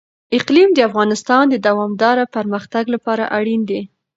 اقلیم د افغانستان د دوامداره پرمختګ لپاره اړین دي.